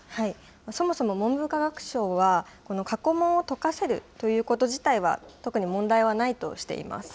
そもそも文部科学省は、この過去問を解かせるということ自体は、特に問題はないとしています。